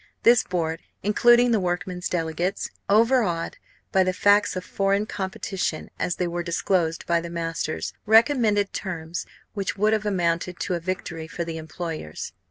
This board, including the workmen's delegates, overawed by the facts of foreign competition as they were disclosed by the masters, recommended terms which would have amounted to a victory for the employers.